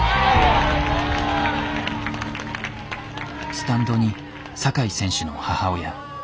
スタンドに酒井選手の母親。